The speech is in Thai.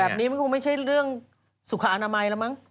แบบนี้มันคงไม่ใช่เรื่องสุขอนามัยแล้วมั้ง